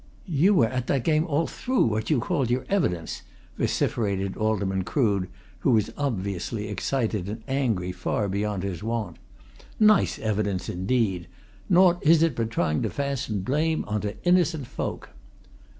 "You were at that game all through what you called your evidence!" vociferated Alderman Crood, who was obviously excited and angry far beyond his wont. "Nice evidence, indeed! Naught is it but trying to fasten blame on to innocent folk!"